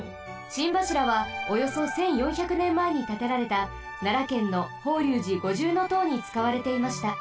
心柱はおよそ１４００ねんまえにたてられたならけんの法隆寺五重塔につかわれていました。